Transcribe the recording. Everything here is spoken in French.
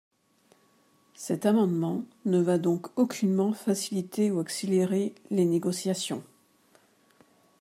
Cet amendement ne va donc aucunement faciliter ou accélérer les négociations.